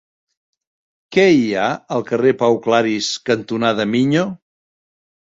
Què hi ha al carrer Pau Claris cantonada Miño?